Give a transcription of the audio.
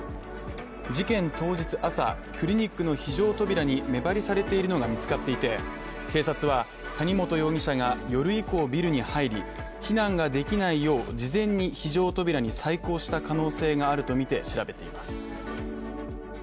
事件当日朝、クリニックの非常扉に目張りされているのが見つかっていて、警察は谷本容疑者が夜以降ビルに入り、避難ができないよう、事前に非常扉に細工した可能性があるとみて調べています。